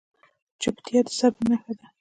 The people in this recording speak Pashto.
چپتیا، د صبر نښه ده.